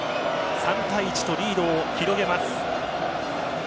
３対１とリードを広げます。